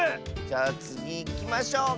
じゃつぎいきましょう！